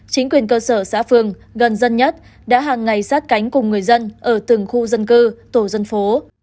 chính quyền cơ sở xã phường gần dân nhất đã hàng ngày sát cánh cùng người dân ở từng khu dân cư tổ dân phố